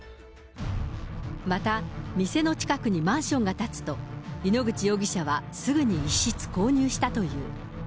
また、店の近くにマンションが建つと、井ノ口容疑者はすぐに１室購入したという。